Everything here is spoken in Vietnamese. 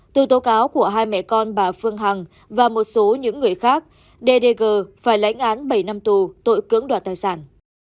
từ tố cáo của hai mẹ con bà phương hằng và một số những người khác ddg phải lãnh án bảy năm tù tội cưỡng đoạt tài sản